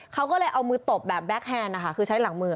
เขาก็เลยเอามือตบแบบแบ็คแฮนด์นะคะคือใช้หลังมือ